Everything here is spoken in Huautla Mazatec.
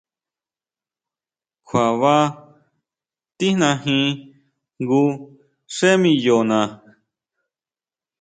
Kjua ba tijnajin jngu xé miyona.